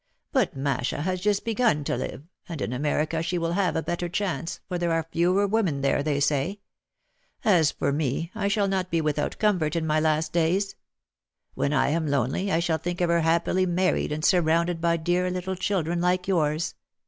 But Masha has just begun to live, and in America she will have a better chance, for there are fewer women there, they say. As for me, I shall not be without comfort in my last days. When I am lonely, I shall think of her happily married and surrounded by dear little children like yours.